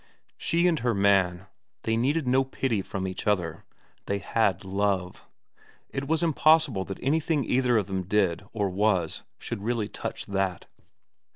She and her man, they needed no pity from each other ; they had love. It was impossible that anything either of them did or was should really touch that.